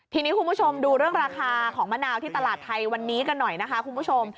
ทีนี้คุณผู้ชมดูเรื่องราคาของมะนาวที่ตลาดไทยวันนี้กันหน่อยนะคะคุณผู้ชม